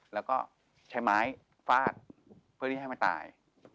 แล้วก็ใช้ไม้ฟาดเพื่อที่ให้มันตาย